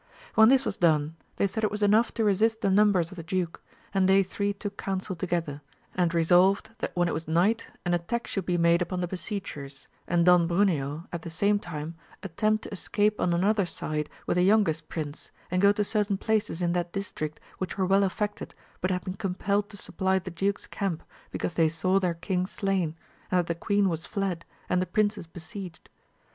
When this was done, they said it was enough to resist the numbers of the duke, and they three took counsel together, and resolved, that when it was night an attack should be made upon the besiegers, and Don Bruneo, at the same time, attempt to escape on another side with the youngest prince, and go to certain places in that dis trict which were well affected, but had been compelled to supply the duke's camp, because they saw their king slain, and that the queen was fled, and the princes besieged.